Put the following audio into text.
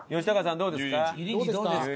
どうですか？